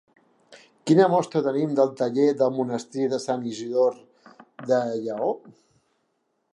Quina mostra tenim del taller del monestir de Sant Isidor de Lleó?